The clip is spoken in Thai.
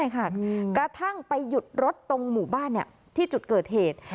ใช่ค่ะกระทั่งไปหยุดรถตรงหมู่บ้านที่จุดเกิดเหตุ